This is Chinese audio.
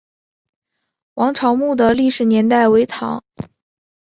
王潮墓的历史年代为唐。